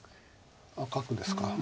あ角ですか。